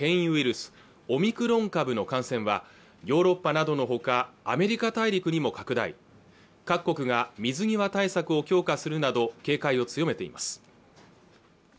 スオミクロン株の感染はヨーロッパなどの他アメリカ大陸にも拡大各国が水際対策を強化するなど警戒を強めています